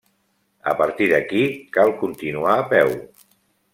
A partir d'aquí cal continuar a peu.